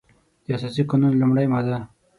د اساسي قانون لمړۍ ماده